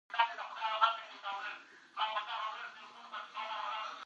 ژبې د افغانانو د تفریح یوه ښه وسیله ده.